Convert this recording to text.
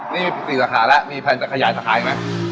นี่มีประสิทธิ์สาขาแล้วมีแพลนจะขยายสาขาอีกไหม